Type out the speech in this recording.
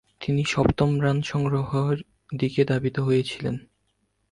তিনি সপ্তম রান সংগ্রহের দিকে ধাবিত হয়েছিলেন।